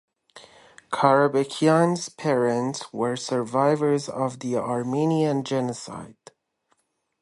Karabekian's parents were survivors of the Armenian genocide.